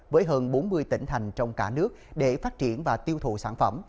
với hơn bốn mươi tỉnh thành trong cả nước để phát triển và tiêu thụ sản phẩm